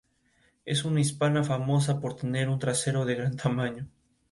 La capital del distrito recae sobre la ciudad de Marburgo.